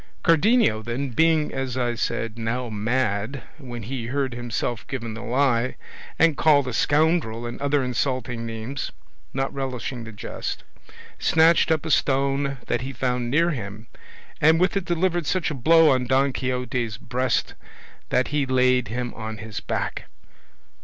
Cardenio, then, being, as I said, now mad, when he heard himself given the lie, and called a scoundrel and other insulting names, not relishing the jest, snatched up a stone that he found near him, and with it delivered such a blow on Don Quixote's breast that he laid him on his back.